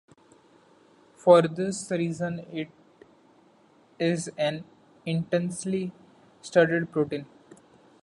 For this reason it is an intensely studied protein.